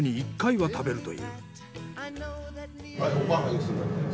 はい。